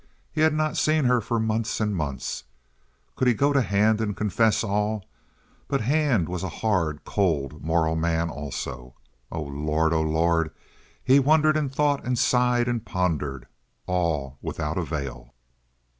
He had not seen her for months and months. Could he go to Hand and confess all? But Hand was a hard, cold, moral man also. Oh, Lord! Oh, Lord! He wondered and thought, and sighed and pondered—all without avail.